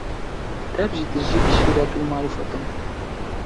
tev jî tijî bi şîret û marîfet in.